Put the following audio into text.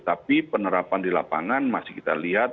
tapi penerapan di lapangan masih kita lihat